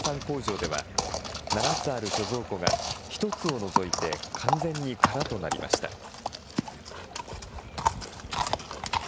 工場では、７つある貯蔵庫が、１つを除いて完全に空となりました。